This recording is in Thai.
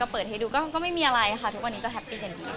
เปิดให้ดูก็ไม่มีอะไรค่ะทุกวันนี้ก็แฮปปี้กันดี